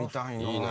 いいな。